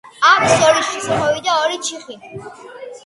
აქვს ორი შესახვევი და ორი ჩიხი.